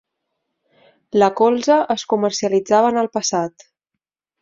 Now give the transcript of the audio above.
La colza es comercialitzava en el passat.